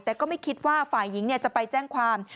แต่ก็ไม่คิดว่าฝ่ายหญิงจะไปแจ้งความ